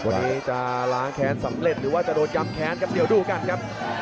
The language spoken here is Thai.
วันนี้จะล้างแค้นสำเร็จหรือว่าจะโดนย้ำแค้นครับเดี๋ยวดูกันครับ